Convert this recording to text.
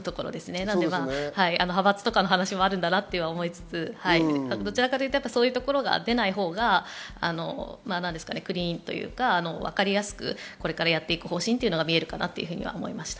派閥とかの話もあるんだなと思いつつ、そういうところが出ないほうがクリーンというかわかりやすくやっていく方針が見えるかなと思います。